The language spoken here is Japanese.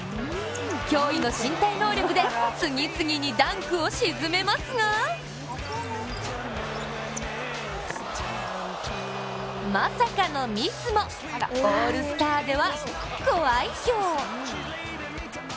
驚異の身体能力で次々にダンクを沈めますがまさかのミスもオールスターではご愛きょう。